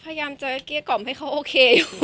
พยายามจะเกลี้ยกล่อมให้เขาโอเคอยู่